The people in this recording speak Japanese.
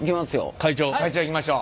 会長会長いきましょう。